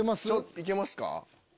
いけますか？